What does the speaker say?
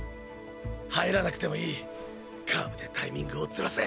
入らなくてもいいカーブでタイミングをずらせ！